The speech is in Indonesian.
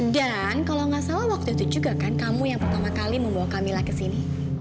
dan kalau tidak salah waktu itu juga kan kamu yang pertama kali membawa kamila ke sini